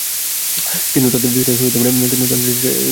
কিন্তু তাদের সৃষ্টিতে একটা ত্রুটি ছিলো।